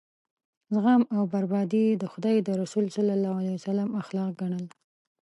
زغم او بردباري یې د خدای د رسول صلی الله علیه وسلم اخلاق ګڼل.